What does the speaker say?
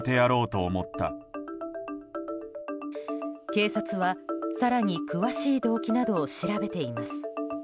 警察は、更に詳しい動機などを調べています。